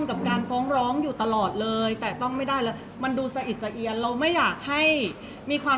เพราะว่าสิ่งเหล่านี้มันเป็นสิ่งที่ไม่มีพยาน